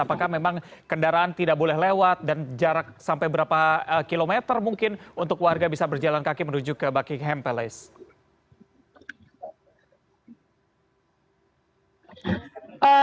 apakah memang kendaraan tidak boleh lewat dan jarak sampai berapa kilometer mungkin untuk warga bisa berjalan kaki menuju ke buckingham palace